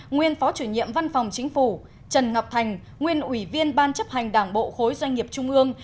nguyên phó chủ nhiệm văn phòng chính phủ trần ngọc thành nguyên ủy viên ban chấp hành đảng bộ khối doanh nghiệp trung ương